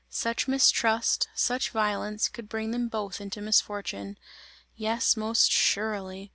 Such mistrust, such violence could bring them both into misfortune! Yes, most surely!